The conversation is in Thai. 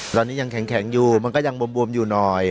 ตอนนี้ยังแข็งอยู่มันก็ยังบวมอยู่หน่อย